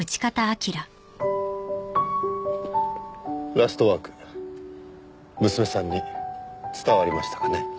『ラストワーク』娘さんに伝わりましたかね。